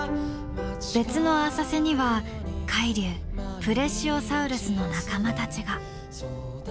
別の浅瀬には海竜プレシオサウルスの仲間たちが。